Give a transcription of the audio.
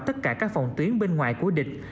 tất cả các phòng tuyến bên ngoài của địch